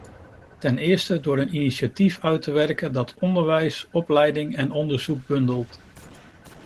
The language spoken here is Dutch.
Ten eerste, door een initiatief uit te werken dat onderwijs, opleiding en onderzoek bundelt.